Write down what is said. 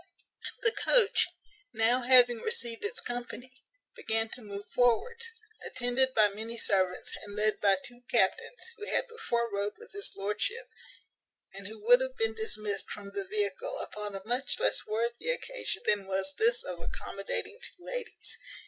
The coach, now having received its company, began to move forwards, attended by many servants, and led by two captains, who had before rode with his lordship, and who would have been dismissed from the vehicle upon a much less worthy occasion than was this of accommodating two ladies.